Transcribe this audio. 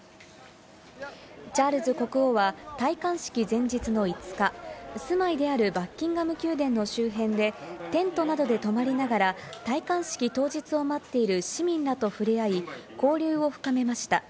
チャールズ国王は戴冠式前日の５日、住まいであるバッキンガム宮殿の周辺で、テントなどで泊まりながら戴冠式当日を待っている市民らと触れ合い、交流を深めました。